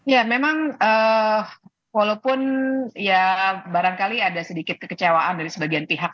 ya memang walaupun ya barangkali ada sedikit kekecewaan dari sebagian pihak